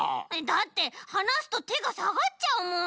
だってはなすとてがさがっちゃうもん！